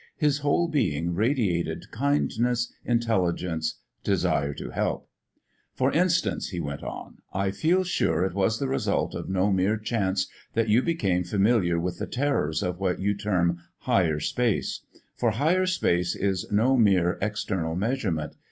His whole being radiated kindness, intelligence, desire to help. "For instance," he went on, "I feel sure it was the result of no mere chance that you became familiar with the terrors of what you term Higher Space; for Higher Space is no mere external measurement.